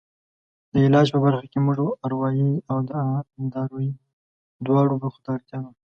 د علاج په برخه کې موږ اروایي او دارویي دواړو برخو ته اړتیا لرو.